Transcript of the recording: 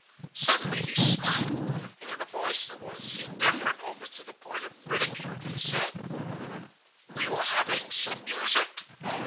Suddenly he smiled, and in a voice that was indifferent almost to the point of ridicule, he said: "'We were having some music.